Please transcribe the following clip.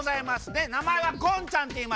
でなまえは「ゴンちゃん」っていいます。